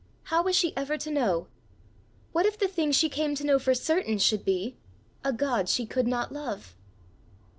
How was she ever to know? What if the thing she came to know for certain should be a God she could not love!